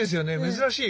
珍しい。